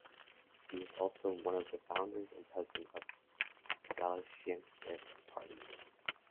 He was also one of the founders and president of the Galicianist Party.